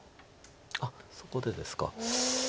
あっそこでですか。